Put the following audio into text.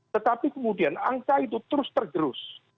tetapi kemudian angka itu terus tergerus